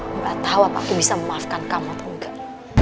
gak tau apakah aku bisa memaafkan kamu atau enggak